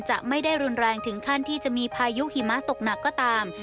จะไม่ได้รุนแรงถึงขั้นที่จะมีพายุหิมะตกหนักก็ตาม